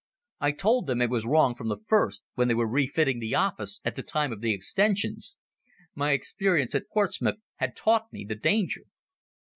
"I told them it was wrong from the first when they were refitting the office, at the time of the extensions. My experience at Portsmouth had taught me the danger."